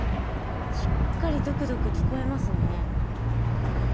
しっかりドクドク聞こえますね。